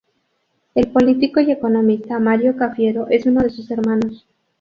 El político y economista Mario Cafiero es uno de sus hermanos.